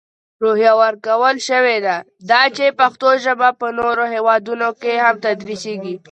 روحیه ورکول شوې ده، دا چې پښتو ژپه په نورو هیوادونو کې هم تدرېسېږي.